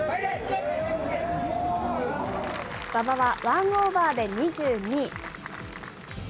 馬場はワンオーバーで２２位。